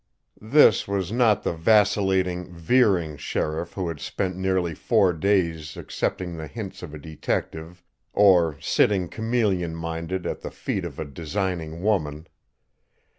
This was not the vacillating, veering sheriff who had spent nearly four days accepting the hints of a detective or sitting, chameleon minded, at the feet of a designing woman.